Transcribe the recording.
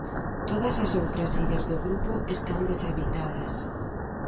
Todas as outras illas do grupo están deshabitadas.